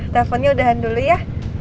teleponnya udahan dulu ya